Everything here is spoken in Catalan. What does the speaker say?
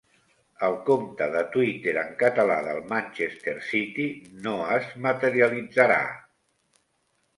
El compte de Twitter en català del Manchester City no es materialitzarà